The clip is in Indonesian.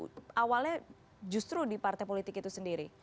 soalnya justru di partai politik itu sendiri